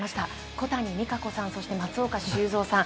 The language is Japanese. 小谷実可子さん、松岡修造さん